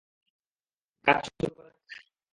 কাজ শুরু করা যাক?